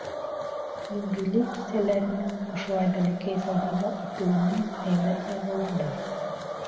Юбилей кисәләренең ошолай бәләкәй залдарҙа үтеүенең һәйбәт яғы ла бар.